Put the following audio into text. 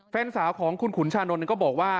แฟนสาวของคุณขุนชานนท์ก็บอกว่า